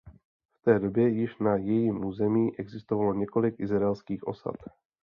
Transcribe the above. V té době již na jejím území existovalo několik izraelských osad.